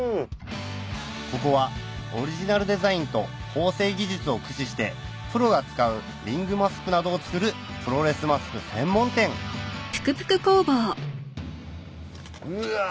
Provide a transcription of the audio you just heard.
ここはオリジナルデザインと縫製技術を駆使してプロが使うリングマスクなどを作るプロレスマスク専門店うわぁ。